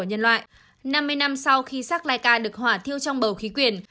năm mươi năm sau khi sắc laika được hỏa thiêu trong bầu khí quyển